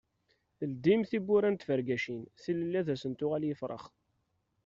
Ldim tiwwura n tfergacin, tilelli ad asen-d-tuɣal i yifrax.